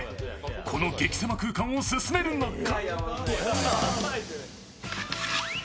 この激狭空間を進めるのか。